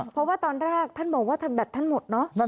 เพราะว่าตอนแรกท่านบอกว่าท่านแบตท่านหมดเนอะ